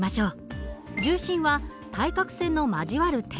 重心は対角線の交わる点